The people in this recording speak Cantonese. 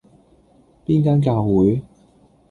邊間教會?